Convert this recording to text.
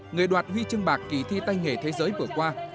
người đoạt huy chương bạc kỳ thi tay nghề thế giới vừa qua